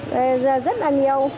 rất là nhiều